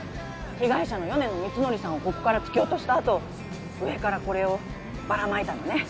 被害者の米野光則さんをここから突き落としたあと上からこれをばらまいたのね。